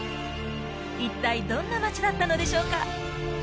一体どんな街だったのでしょうか？